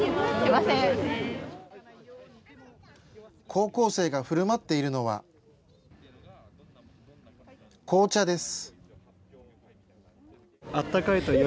高校生がふるまっているのは、紅茶です。